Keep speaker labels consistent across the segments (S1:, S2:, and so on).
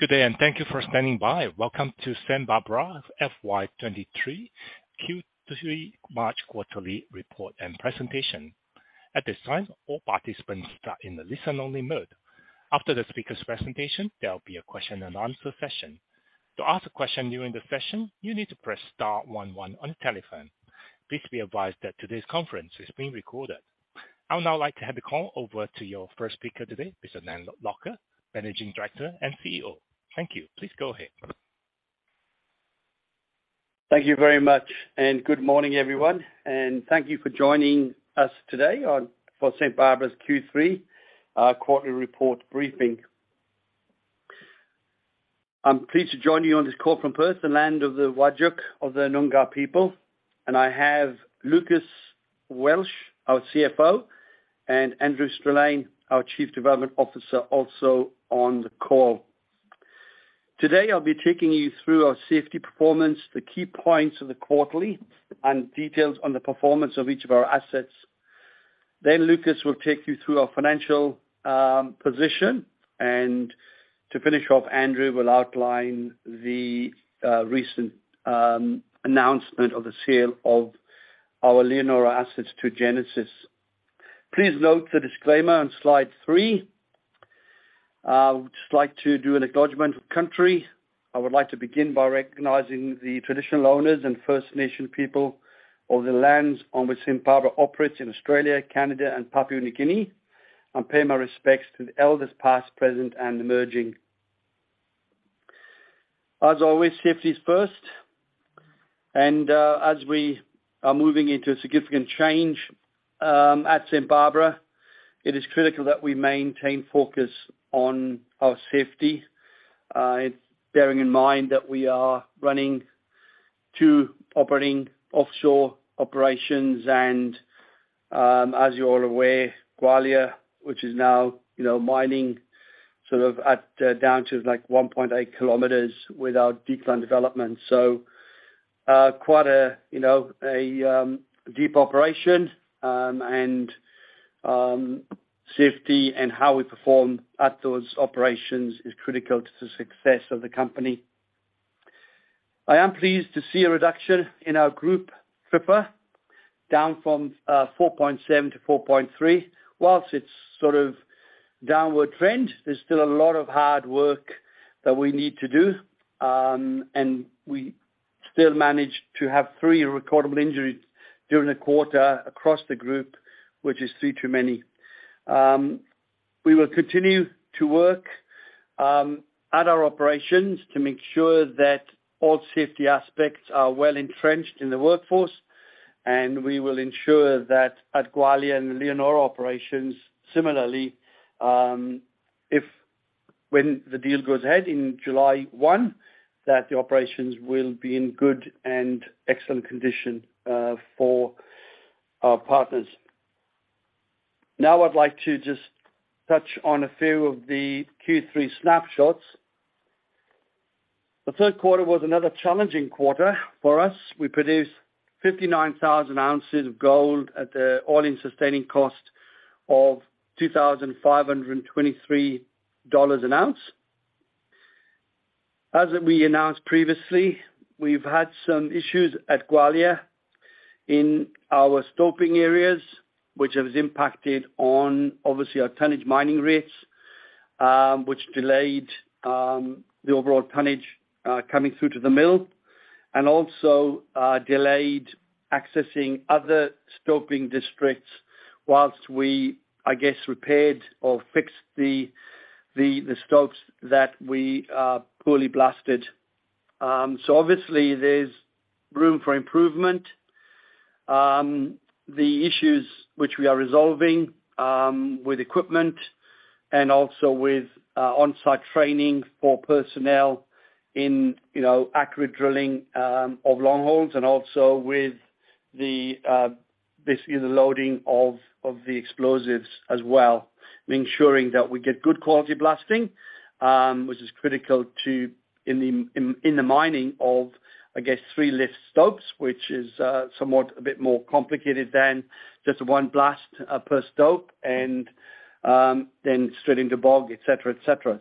S1: Good day. Thank you for standing by. Welcome to St Barbara FY 2023 Q3 March quarterly report and presentation. At this time, all participants are in the listen only mode. After the speaker's presentation, there'll be a question and answer session. To ask a question during the session, you need to press star one one on the telephone. Please be advised that today's conference is being recorded. I would now like to hand the call over to your first speaker today, Mr. Dan Lougher, Managing Director and CEO. Thank you. Please go ahead.
S2: Thank you very much, good morning, everyone, and thank you for joining us today for St Barbara's Q3 quarterly report briefing. I'm pleased to join you on this call from Perth, the land of the Whadjuk of the Noongar people. I have Lucas Welsh, our CFO, and Andrew Strelein, our Chief Development Officer, also on the call. Today, I'll be taking you through our safety performance, the key points of the quarterly and details on the performance of each of our assets. Lucas will take you through our financial position. To finish off, Andrew will outline the recent announcement of the sale of our Leonora assets to Genesis. Please note the disclaimer on slide three. I would just like to do an acknowledgment of country. I would like to begin by recognizing the traditional owners and First Nation people of the lands on which St Barbara operates in Australia, Canada and Papua New Guinea, and pay my respects to the elders, past, present and emerging. As always, safety is first. As we are moving into a significant change at St Barbara, it is critical that we maintain focus on our safety, bearing in mind that we are running two operating offshore operations, and as you're all aware, Gwalia, which is now, you know, mining sort of at down to like 1.8 km with our decline development. Quite a, you know, a deep operation, and safety and how we perform at those operations is critical to the success of the company. I am pleased to see a reduction in our group TRIFR, down from 4.7 to 4.3. Whilst it's sort of downward trend, there's still a lot of hard work that we need to do, and we still managed to have three recordable injuries during the quarter across the group, which is three too many. We will continue to work at our operations to make sure that all safety aspects are well entrenched in the workforce, and we will ensure that at Gwalia and Leonora operations similarly, if when the deal goes ahead in July 1, that the operations will be in good and excellent condition, for our partners. I'd like to just touch on a few of the Q3 snapshots. The third quarter was another challenging quarter for us. We produced 59,000 ounces of gold at a all-in sustaining cost of 2,523 dollars an ounce. As we announced previously, we've had some issues at Gwalia in our stoping areas, which has impacted on obviously our tonnage mining rates, which delayed the overall tonnage coming through to the mill and also delayed accessing other stoping districts whilst we, I guess, repaired or fixed the stopes that we poorly blasted. Obviously there's room for improvement. The issues which we are resolving with equipment and also with on-site training for personnel in, you know, accurate drilling of long holes and also with the basically the loading of the explosives as well, ensuring that we get good quality blasting, which is critical to in the mining of, I guess, three lift stopes, which is somewhat a bit more complicated than just one blast per stope. Then straight into bog, et cetera, et cetera.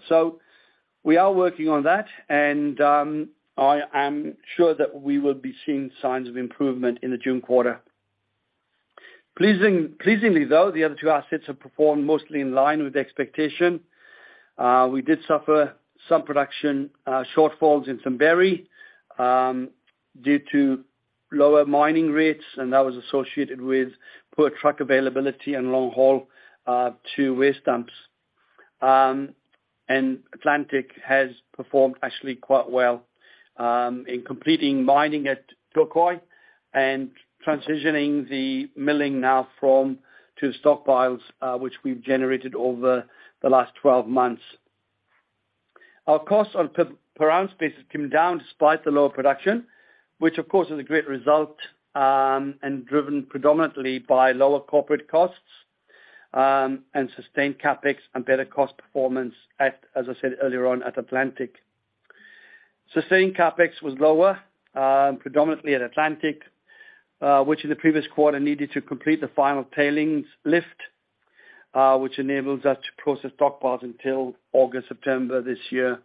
S2: We are working on that and I am sure that we will be seeing signs of improvement in the June quarter. Pleasingly though, the other two assets have performed mostly in line with the expectation. We did suffer some production shortfalls in Simberi due to lower mining rates, and that was associated with poor truck availability and long haul to waste dumps. Atlantic has performed actually quite well in completing mining at Touquoy and transitioning the milling now from two stockpiles, which we've generated over the last 12 months. Our costs on per ounce basis came down despite the lower production, which of course is a great result, driven predominantly by lower corporate costs, and sustained CapEx and better cost performance at, as I said earlier on, at Atlantic. Sustaining CapEx was lower predominantly at Atlantic, which in the previous quarter needed to complete the final tailings lift, which enables us to process stockpiles until August, September this year.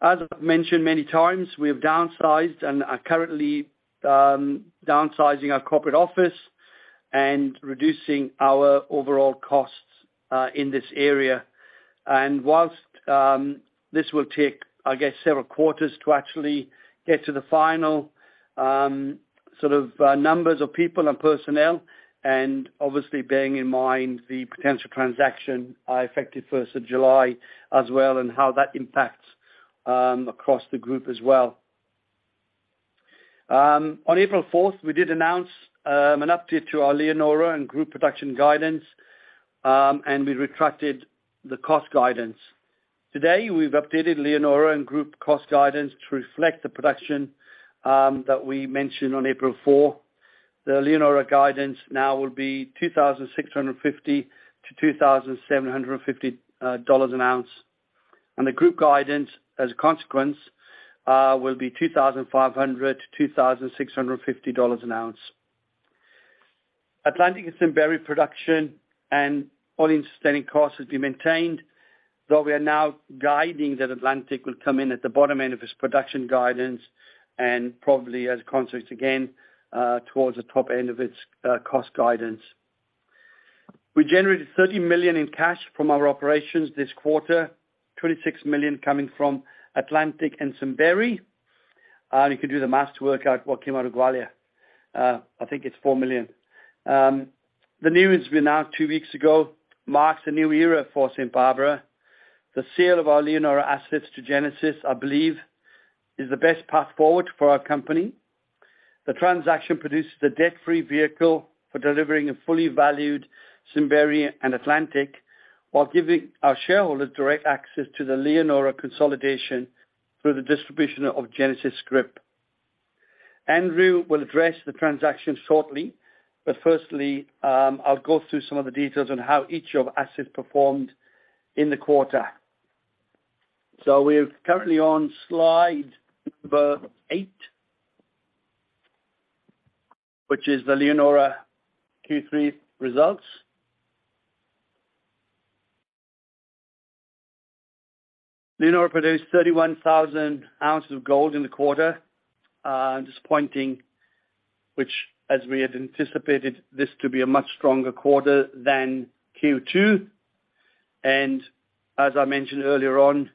S2: As I've mentioned many times, we have downsized and are currently downsizing our corporate office and reducing our overall costs in this area. Whilst this will take, I guess, several quarters to actually get to the final sort of numbers of people and personnel, and obviously bearing in mind the potential transaction effective first of July as well and how that impacts across the group as well. On April 4th, we did announce an update to our Leonora and group production guidance, and we retracted the cost guidance. Today, we've updated Leonora and group cost guidance to reflect the production that we mentioned on April 4. The Leonora guidance now will be 2,650-2,750 dollars an ounce. The group guidance, as a consequence, will be 2,500-2,650 dollars an ounce. Atlantic and Simberi production and all-in sustaining costs has been maintained, though we are now guiding that Atlantic will come in at the bottom end of its production guidance and probably as a consequence, again, towards the top end of its cost guidance. We generated 30 million in cash from our operations this quarter, 26 million coming from Atlantic and Simberi. You can do the math to work out what came out of Gwalia. I think it's 4 million. The news we announced two weeks ago marks a new era for St Barbara. The sale of our Leonora assets to Genesis, I believe, is the best path forward for our company. The transaction produces the debt-free vehicle for delivering a fully valued Simberi and Atlantic while giving our shareholders direct access to the Leonora consolidation through the distribution of Genesis scrip. Andrew will address the transaction shortly, firstly, I'll go through some of the details on how each of assets performed in the quarter. We're currently on slide number eight which is the Leonora Q3 results. Leonora produced 31,000 ounces of gold in the quarter. Disappointing, which as we had anticipated this to be a much stronger quarter than Q2. As I mentioned earlier on,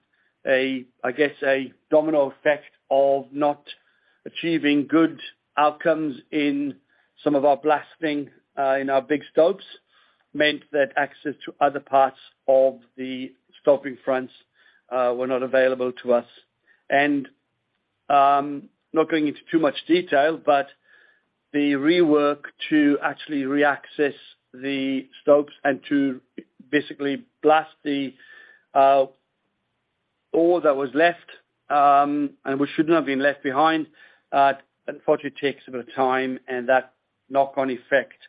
S2: I guess, a domino effect of not achieving good outcomes in some of our blasting, in our big stopes meant that access to other parts of the stoping fronts, were not available to us. Not going into too much detail, but the rework to actually reaccess the stopes and to basically blast the ore that was left, and which should not have been left behind, unfortunately takes a bit of time, and that knock-on effect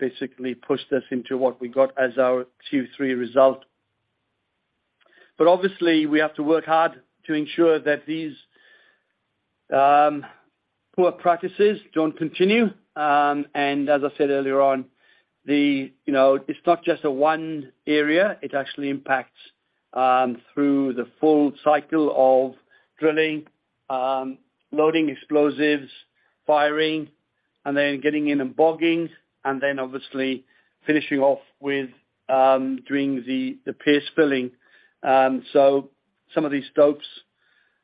S2: basically pushed us into what we got as our Q3 result. Obviously, we have to work hard to ensure that these poor practices don't continue. As I said earlier on, you know, it's not just a one area, it actually impacts through the full cycle of drilling, loading explosives, firing, and then getting in and bogging, and then obviously finishing off with doing the paste filling. Some of these stopes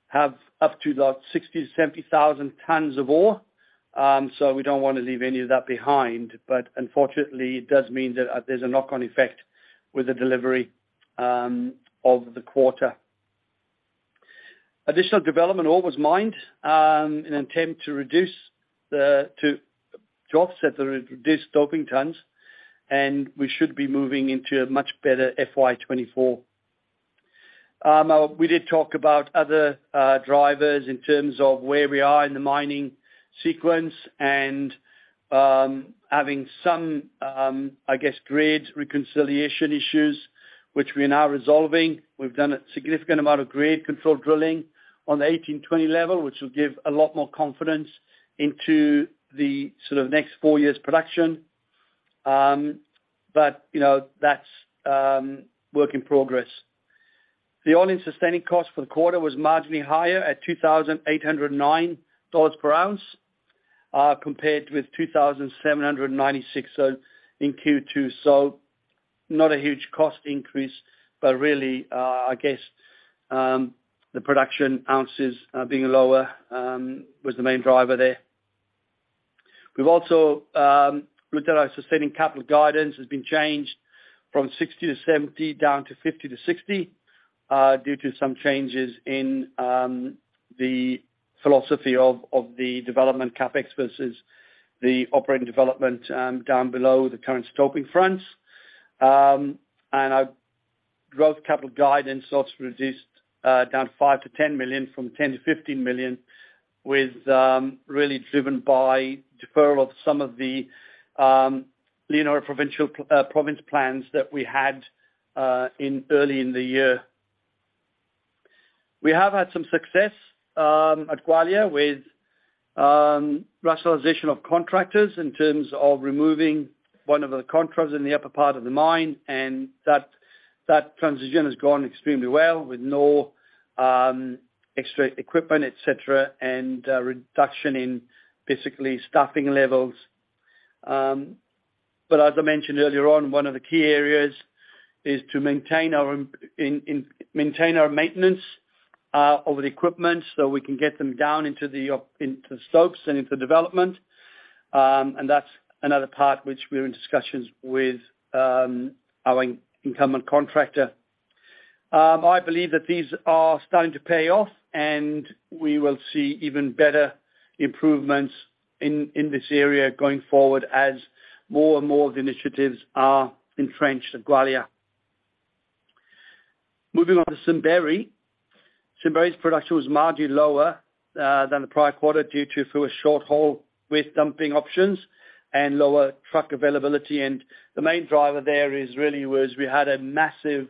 S2: have up to like 60,000-70,000 tons of ore. We don't wanna leave any of that behind. Unfortunately, it does mean that there's a knock-on effect with the delivery of the quarter. Additional development ore was mined in an attempt to offset the reduced stoping tons, and we should be moving into a much better FY 2024. We did talk about other drivers in terms of where we are in the mining sequence and having some, I guess, grade reconciliation issues which we are now resolving. We've done a significant amount of grade control drilling on the 1820 level, which will give a lot more confidence into the sort of next four years' production. You know, that's work in progress. The all-in sustaining cost for the quarter was marginally higher at 2,809 dollars per ounce, compared with 2,796 in Q2. Not a huge cost increase, but really, I guess, the production ounces being lower was the main driver there. We've also, with that our sustaining capital guidance has been changed from 60-70 down to 50-60 due to some changes in the philosophy of the development CapEx versus the operating development down below the current stoping fronts. Our growth capital guidance was reduced down 5 million-10 million from 10 million-15 million with really driven by deferral of some of the Leonora provincial province plans that we had in early in the year. We have had some success at Gwalia with rationalization of contractors in terms of removing one of the contractors in the upper part of the mine, and that transition has gone extremely well with no extra equipment, et cetera, and reduction in basically staffing levels. As I mentioned earlier on, one of the key areas is to maintain our maintenance over the equipment so we can get them down into the stopes and into development. That's another part which we're in discussions with our incumbent contractor. I believe that these are starting to pay off and we will see even better improvements in this area going forward as more and more of the initiatives are entrenched at Gwalia. Moving on to Simberi. Simberi's production was marginally lower than the prior quarter due to a short haul with dumping options and lower truck availability. The main driver there is really we had a massive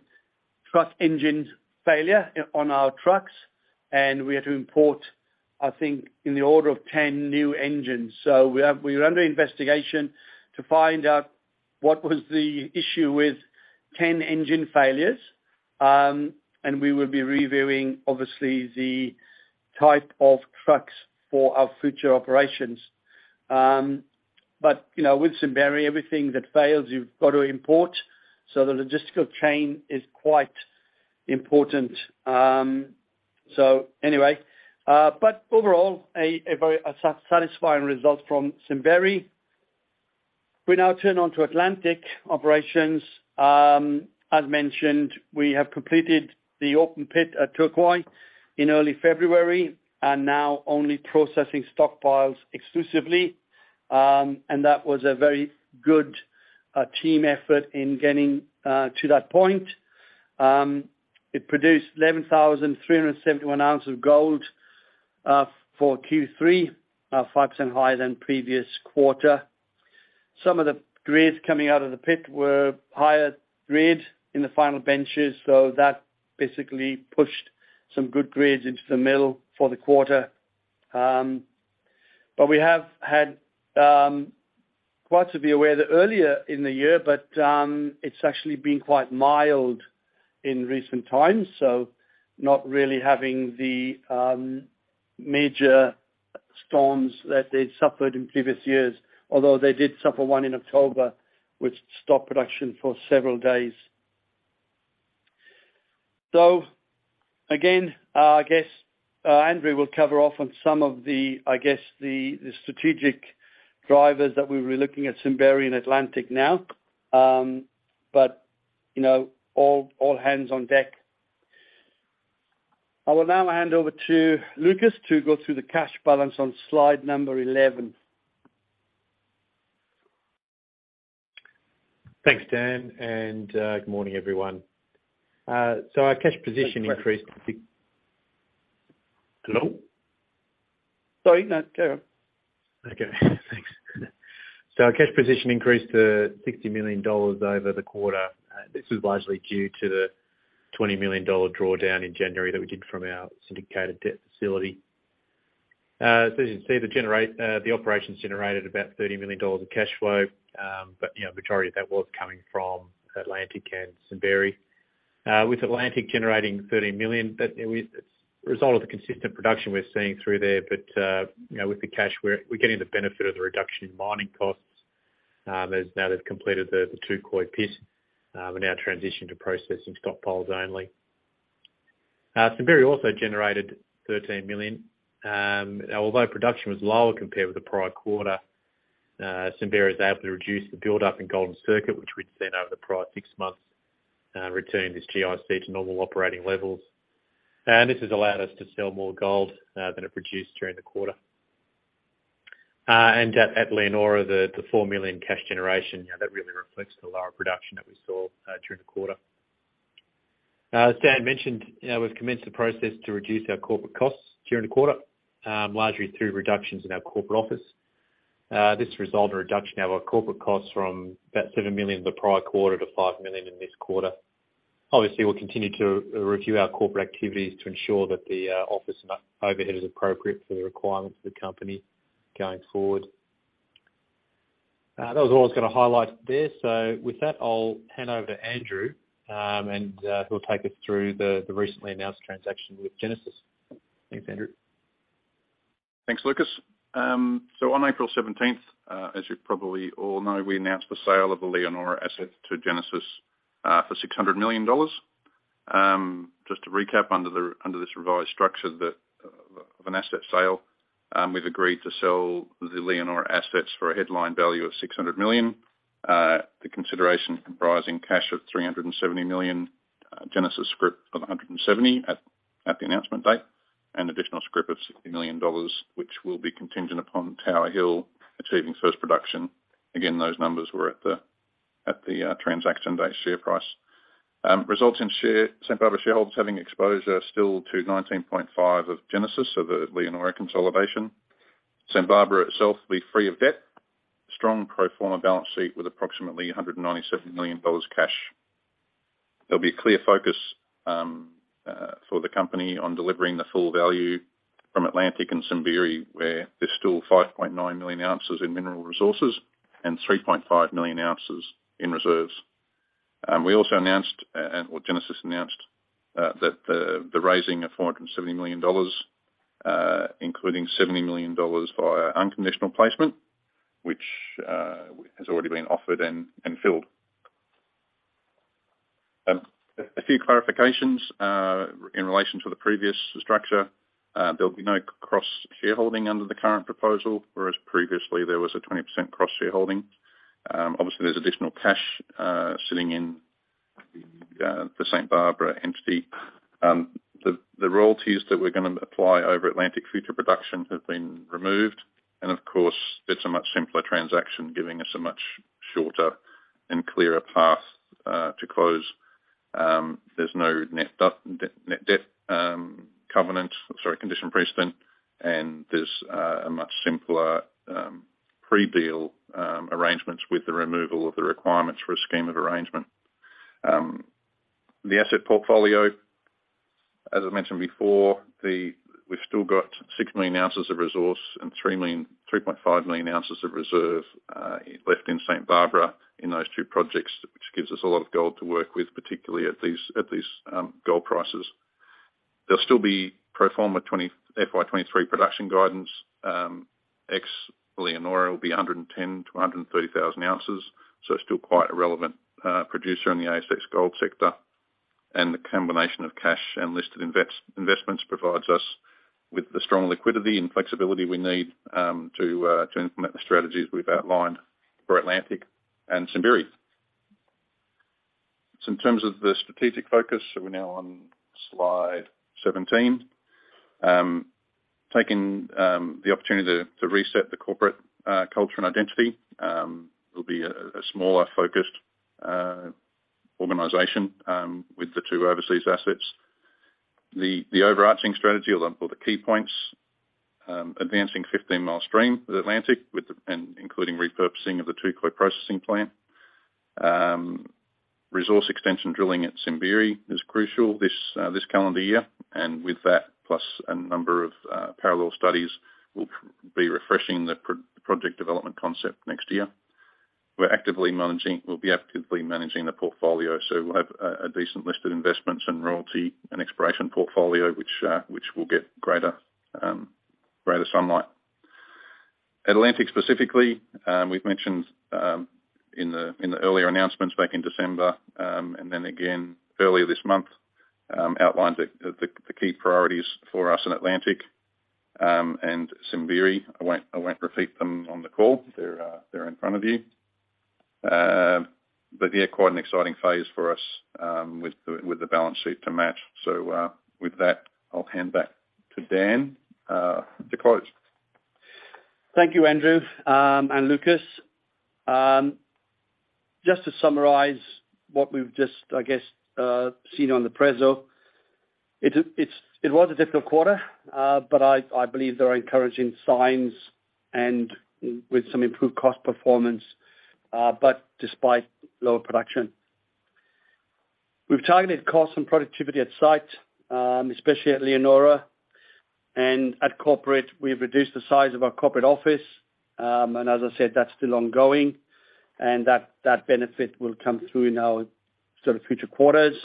S2: truck engine failure on our trucks and we had to import, I think, in the order of 10 new engines. We're under investigation to find out what was the issue with 10 engine failures. We will be reviewing, obviously, the type of trucks for our future operations. You know, with Simberi, everything that fails, you've got to import, so the logistical chain is quite important. Anyway, overall a very satisfying result from Simberi. We now turn on to Atlantic operations. As mentioned, we have completed the open pit at Touquoy in early February and now only processing stockpiles exclusively. That was a very good team effort in getting to that point. It produced 11,371 ounces of gold for Q3, 5% higher than previous quarter. Some of the grades coming out of the pit were higher grade in the final benches, that basically pushed some good grades into the mill for the quarter. We have had quite severe weather earlier in the year, but it's actually been quite mild in recent times, not really having the major storms that they'd suffered in previous years. Although they did suffer one in October, which stopped production for several days. Again, Andrew Strelein will cover off on some of the strategic drivers that we'll be looking at Simberi and Atlantic now. You know, all hands on deck. I will now hand over to Lucas to go through the cash balance on slide number 11.
S3: Thanks, Dan, good morning, everyone. Our cash position increased-
S2: Hello? Sorry, no. Go on.
S3: Okay. Thanks. Our cash position increased to AUD 60 million over the quarter. This is largely due to the AUD 20 million drawdown in January that we did from our syndicated debt facility. As you can see, the operations generated about 30 million dollars of cash flow. You know, majority of that was coming from Atlantic and Simberi. With Atlantic generating 13 million, but, you know, it's result of the consistent production we're seeing through there. You know, with the cash, we're getting the benefit of the reduction in mining costs, as now they've completed the Touquoy pit, we now transition to processing stockpiles only. Simberi also generated 13 million. Although production was lower compared with the prior quarter, Simberi is able to reduce the buildup in gold circuit, which we'd seen over the prior six months, returning this GIC to normal operating levels. This has allowed us to sell more gold than it produced during the quarter. At Leonora, the 4 million cash generation, you know, that really reflects the lower production that we saw during the quarter. As Dan mentioned, you know, we've commenced the process to reduce our corporate costs during the quarter, largely through reductions in our corporate office. This resulted in a reduction of our corporate costs from about 7 million in the prior quarter to 5 million in this quarter. Obviously, we'll continue to review our corporate activities to ensure that the office and overhead is appropriate for the requirements of the company going forward. That was all I was gonna highlight there. With that, I'll hand over to Andrew, and he'll take us through the recently announced transaction with Genesis.
S2: Thanks, Andrew.
S4: Thanks, Lucas. On April seventeenth, as you probably all know, we announced the sale of the Leonora asset to Genesis for 600 million dollars. Just to recap, under this revised structure of an asset sale, we've agreed to sell the Leonora assets for a headline value of 600 million. The consideration comprising cash of 370 million, Genesis scrip of 170 million at the announcement date, and additional scrip of 60 million dollars, which will be contingent upon Tower Hill achieving first production. Again, those numbers were at the transaction day share price. Results in St Barbara shareholders having exposure still to 19.5% of Genesis of the Leonora consolidation. Barbara itself will be free of debt, strong pro forma balance sheet with approximately 197 million dollars cash. There'll be a clear focus for the company on delivering the full value from Atlantic and Simberi, where there's still 5.9 million ounces in mineral resources and 3.5 million ounces in reserves. We also announced, or Genesis announced, that the raising of 470 million dollars, including 70 million dollars via unconditional placement, which has already been offered and filled. A few clarifications in relation to the previous structure. There'll be no cross-shareholding under the current proposal, whereas previously there was a 20% cross-shareholding. Obviously, there's additional cash sitting in the St Barbara entity. The royalties that we're gonna apply over Atlantic future production have been removed. Of course, it's a much simpler transaction, giving us a much shorter and clearer path to close. There's no net debt, I'm sorry, condition precedent, and there's a much simpler pre-deal arrangements with the removal of the requirements for a scheme of arrangement. The asset portfolio, as I mentioned before, we've still got 6 million ounces of resource and 3.5 million ounces of reserve left in St Barbara in those two projects, which gives us a lot of gold to work with, particularly at these gold prices. There'll still be pro forma FY 2023 production guidance. Ex-Leonora will be 110,000-130,000 ounces, so still quite a relevant producer in the ASX gold sector. The combination of cash and investments provides us with the strong liquidity and flexibility we need to implement the strategies we've outlined for Atlantic and Simberi. In terms of the strategic focus, we're now on slide 17. Taking the opportunity to reset the corporate culture and identity will be a smaller focused organization with the two overseas assets. The overarching strategy, I'll run through the key points. Advancing Fifteen Mile Stream with Atlantic, and including repurposing of the Touquoy processing plant. Resource extension drilling at Simberi is crucial this calendar year. With that, plus a number of parallel studies, we'll be refreshing the project development concept next year. We'll be actively managing the portfolio, so we'll have a decent list of investments and royalty and exploration portfolio which will get greater sunlight. Atlantic specifically, we've mentioned in the earlier announcements back in December, and then again earlier this month, outlined the key priorities for us in Atlantic and Simberi. I won't repeat them on the call. They're in front of you. Yeah, quite an exciting phase for us with the balance sheet to match. With that, I'll hand back to Dan to close.
S2: Thank you, Andrew, and Lucas. Just to summarize what we've just, I guess, seen on the preso. It was a difficult quarter, but I believe there are encouraging signs and with some improved cost performance, but despite lower production. We've targeted cost and productivity at site, especially at Leonora. At corporate, we've reduced the size of our corporate office. As I said, that's still ongoing. That benefit will come through in our sort of future quarters.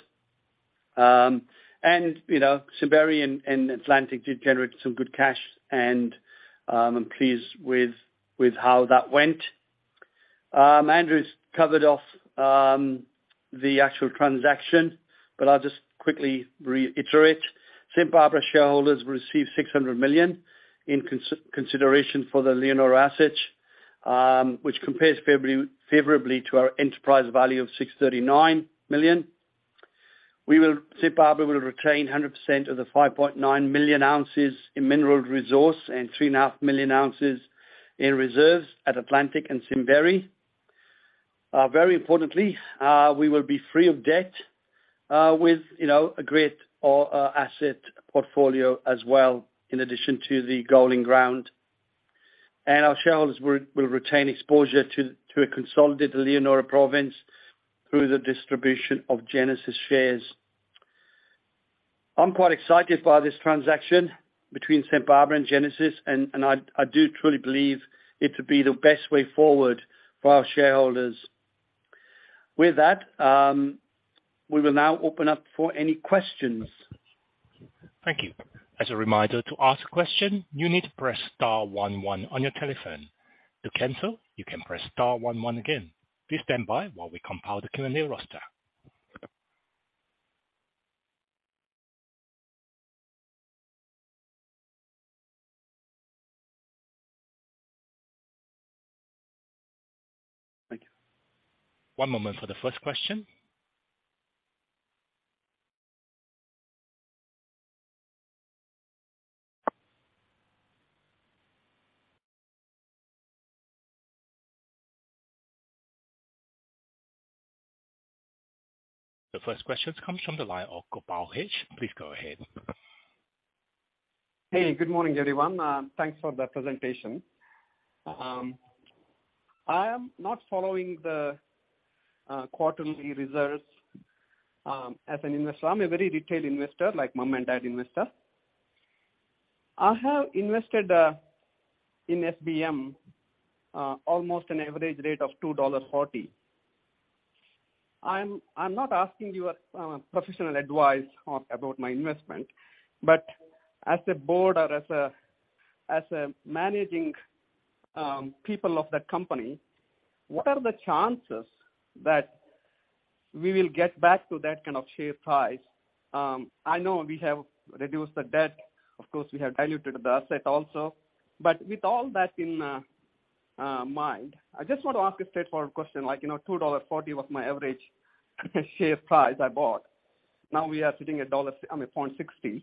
S2: You know, Simberi and Atlantic did generate some good cash, and I'm pleased with how that went. Andrew's covered off the actual transaction, but I'll just quickly reiterate. St. Barbara shareholders will receive 600 million in consideration for the Leonora assets, which compares favorably to our enterprise value of 639 million. St Barbara will retain 100% of the 5.9 million ounces in mineral resources and 3.5 million ounces in reserves at Atlantic and Simberi. Very importantly, we will be free of debt, with, you know, a great asset portfolio as well, in addition to the gold in ground. Our shareholders will retain exposure to a consolidated Leonora province through the distribution of Genesis shares. I'm quite excited by this transaction between St Barbara and Genesis, and I do truly believe it to be the best way forward for our shareholders. With that, we will now open up for any questions.
S1: Thank you. As a reminder, to ask a question, you need to press star one one on your telephone. To cancel, you can press star one one again. Please stand by while we compile the Q&A roster.
S2: Thank you.
S1: One moment for the first question. The first question comes from the line of Gopal Hedge. Please go ahead.
S5: Hey, good morning, everyone. Thanks for the presentation. I am not following the quarterly reserves as an investor. I'm a very detailed investor, like mom and dad investor. I have invested in SBM almost an average rate of 2.40 dollar. I'm not asking your professional advice on about my investment, but as a board or as a managing people of the company, what are the chances that we will get back to that kind of share price? I know we have reduced the debt. Of course, we have diluted the asset also. With all that in mind, I just want to ask a straightforward question, like, you know, 2.40 dollars was my average share price I bought. Now we are sitting at I mean, 0.60.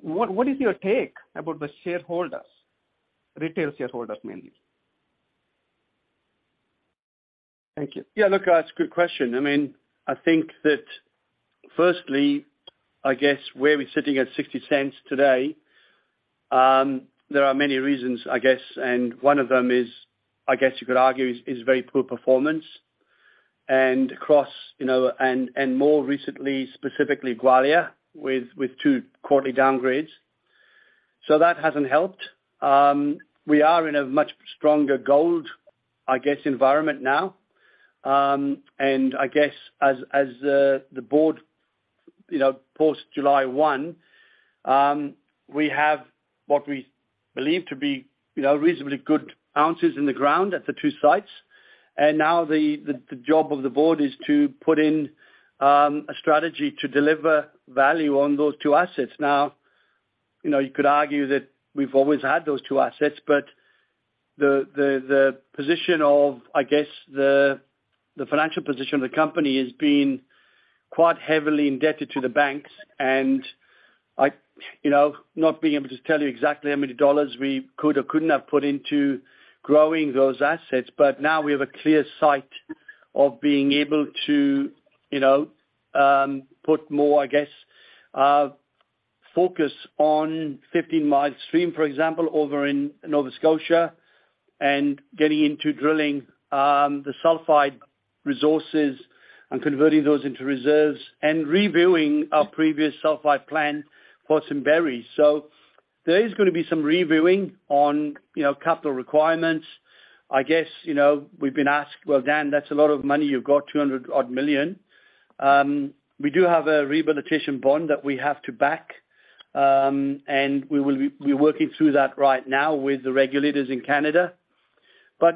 S5: What is your take about the shareholders, retail shareholders mainly?
S2: Thank you. Yeah, look, that's a good question. I mean, I think that firstly, I guess where we're sitting at 0.60 today, there are many reasons, I guess, and one of them is, I guess you could argue is, very poor performance and across, you know, and more recently, specifically Gwalia with two quarterly downgrades. That hasn't helped. We are in a much stronger gold, I guess, environment now. I guess as the board, you know, post July 1, we have what we believe to be, you know, reasonably good ounces in the ground at the two sites. Now the job of the board is to put in a strategy to deliver value on those two assets. You know, you could argue that we've always had those two assets, but the position of, I guess the financial position of the company has been quite heavily indebted to the banks. I, you know, not being able to tell you exactly how many dollars we could or couldn't have put into growing those assets, but now we have a clear sight of being able to, you know, put more, I guess, focus on Fifteen Mile Stream, for example, over in Nova Scotia, and getting into drilling, the sulphide resources and converting those into reserves, and reviewing our previous sulphide plan for Simberi. There is gonna be some reviewing on, you know, capital requirements. I guess, you know, we've been asked, "Well, Dan, that's a lot of money you've got, 200 odd million." We do have a rehabilitation bond that we have to back, and we will be working through that right now with the regulators in Canada.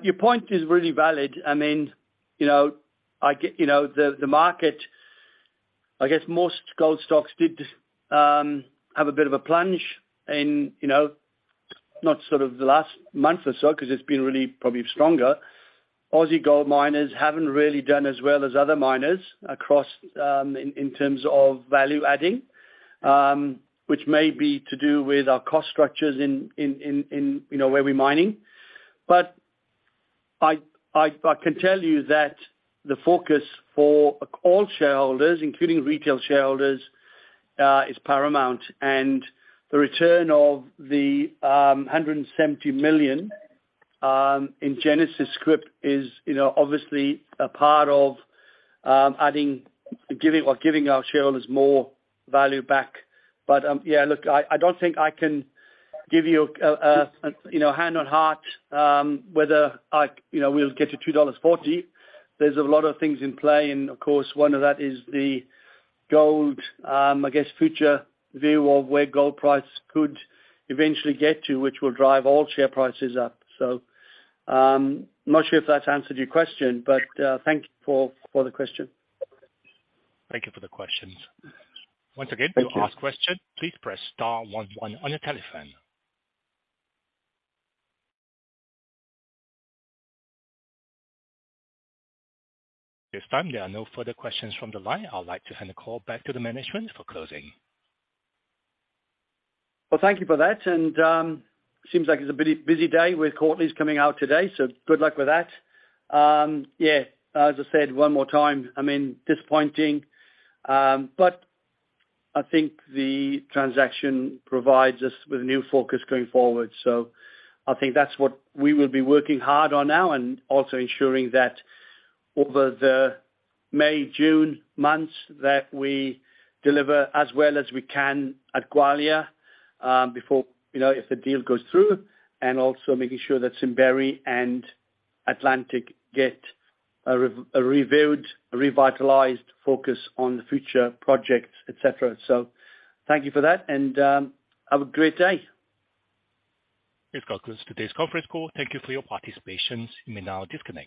S2: Your point is really valid. I mean, you know, you know, the market, I guess most gold stocks did have a bit of a plunge in, you know, not sort of the last month or so because it's been really probably stronger. Aussie gold miners haven't really done as well as other miners across in terms of value-adding, which may be to do with our cost structures in, you know, where we're mining. I can tell you that the focus for all shareholders, including retail shareholders, is paramount. The return of the 170 million in Genesis scrip is, you know, obviously a part of adding, giving our shareholders more value back. Yeah, look, I don't think I can give you a, you know, hand on heart, whether I, you know, we'll get to 2.40 dollars. There's a lot of things in play and of course one of that is the gold, I guess, future view of where gold price could eventually get to, which will drive all share prices up. I'm not sure if that's answered your question, but thank you for the question.
S1: Thank you for the questions.
S2: Thank you.
S1: Once again, to ask question, please press star one one on your telephone. This time there are no further questions from the line. I'd like to hand the call back to the management for closing.
S2: Thank you for that. Seems like it's a busy day with Newcrest coming out today. Good luck with that. Yeah, as I said one more time, I mean, disappointing, but I think the transaction provides us with new focus going forward. I think that's what we will be working hard on now and also ensuring that over the May, June months that we deliver as well as we can at Gwalia before, you know, if the deal goes through. Also making sure that Simberi and Atlantic get a reviewed, revitalized focus on the future projects, et cetera. Thank you for that. Have a great day.
S1: This concludes today's conference call. Thank you for your participation. You may now disconnect.